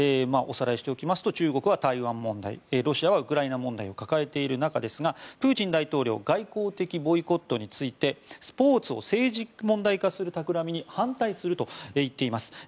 おさらいしておきますと中国は台湾問題ロシアはウクライナ問題を抱えている中ですがプーチン大統領外交的ボイコットについてスポーツを政治問題化するたくらみに反対すると言っています。